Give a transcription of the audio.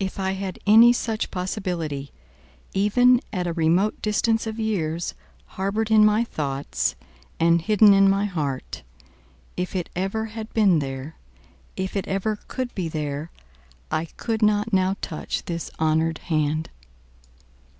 If I had any such possibility, even at a remote distance of years, harboured in my thoughts, and hidden in my heart if it ever had been there if it ever could be there I could not now touch this honoured hand."